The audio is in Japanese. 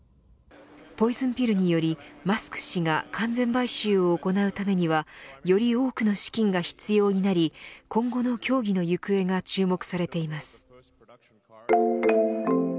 ポイズンピルによりマスク氏が完全買収を行うためにはより多くの資金が必要になり今後の協議の行方が注目されています。